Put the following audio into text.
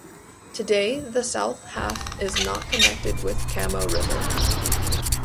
Today the south half is not connected with Kamo River.